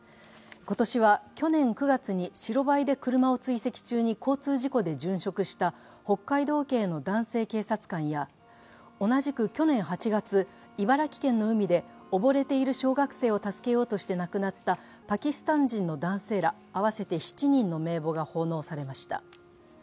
今年は去年９月に白バイで車を追跡中に交通事故で殉職した北海道警の男性警察官や同じく去年８月茨城県の海で溺れている小学生を助けようとして亡くなったパキスタン人の男性ら合わせて７人の名簿が奉納されました。